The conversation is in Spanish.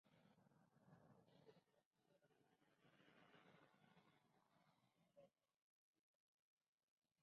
En el libro, expone su oposición a una revolución anarcocapitalista violenta.